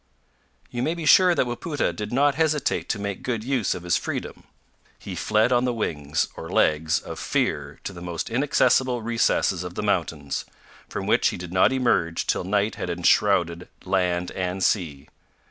You may be sure that Wapoota did not hesitate to make good use of his freedom. He fled on the wings or legs of fear to the most inaccessible recesses of the mountains, from which he did not emerge till night had enshrouded land and sea.